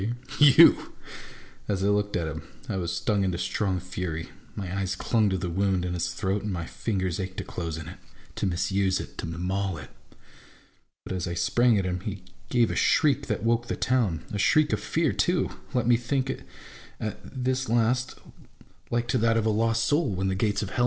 You !'" As I looked at him, I was stung into strong fury. My eyes clung to the wound in his throat, and my fingers ached to close in it — to misuse it, to maul it. But as I sprang at him, he gave a shriek that woke the town ; a shriek of fear too, let me think it at this last, like to that of a lost MY ENEMY AND MYSELF.